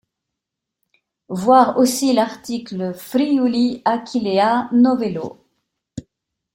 Voir aussi l’article Friuli Aquileia novello.